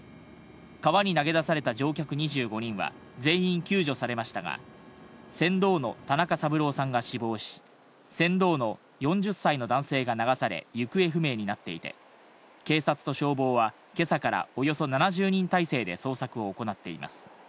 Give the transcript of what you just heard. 川に投げ出された乗客２５人は、全員救助されましたが、船頭の田中三郎さんが死亡し、船頭の４０歳の男性が流され、行方不明になっていて、警察と消防はけさからおよそ７０人態勢で捜索を行っています。